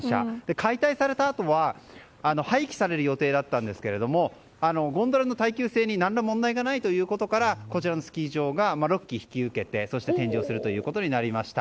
解体されたあとは廃棄される予定だったんですがゴンドラの耐久性に何ら問題ないということからこちらのスキー場が６基引き受けてそして展示することになりました。